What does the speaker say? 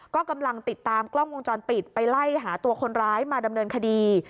ก็กำลังติดตามกล้องวงจรปิดไปไล่หาตัวคนร้ายมาดำเนินคดี